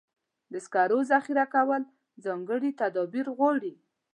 د سکرو ذخیره کول ځانګړي تدابیر غواړي.